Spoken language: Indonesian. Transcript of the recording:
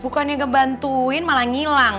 bukannya gak bantuin malah ngilang